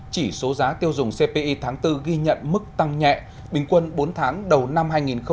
chỉ số giá tiêu dùng cpi tháng bốn ghi nhận mức tăng nhẹ bình quân bốn tháng đầu năm hai nghìn hai mươi